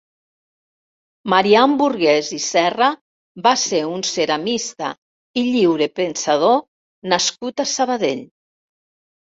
Marian Burguès i Serra va ser un ceramista i lliurepensador nascut a Sabadell.